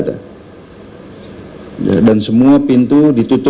kayak gimana zit diampilinatesico itu